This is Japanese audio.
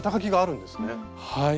はい。